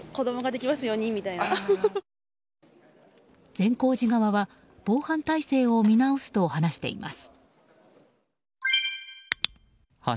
善光寺側は防犯体制を見直すと話しています。